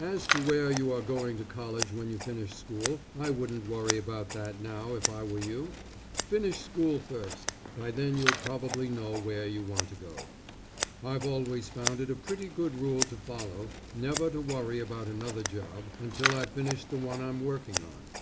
As to where you are going to college when you finish school, I wouldn't worry about that now if I were you. Finish school first, by then you'll probably know where you want to go. I've always found it a pretty good rule to follow, never to worry about another job, until I've finished the one I'm working on.